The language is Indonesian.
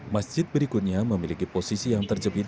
masjid berikutnya memiliki posisi yang terjepit